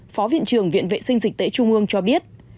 phó viện trưởng viện vệ sinh dịch tễ trung ương cho biết